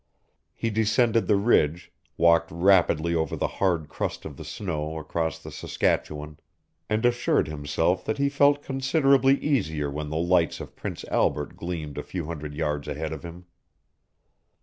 He descended the ridge, walked rapidly over the hard crust of the snow across the Saskatchewan, and assured himself that he felt considerably easier when the lights of Prince Albert gleamed a few hundred yards ahead of him.